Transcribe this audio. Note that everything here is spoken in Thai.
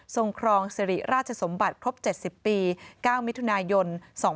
ครองสิริราชสมบัติครบ๗๐ปี๙มิถุนายน๒๕๕๙